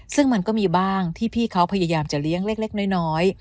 ซึ่งมันก็มีบ้างที่พี่เขาพยายามจะเลี้ยงเล็กน้อย